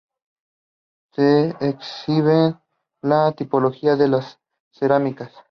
Se exhiben la tipología de las cerámicas.